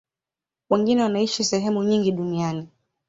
Wengine wanaishi sehemu nyingi duniani.